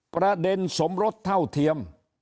ประเด็นสมรสเท่าเทียม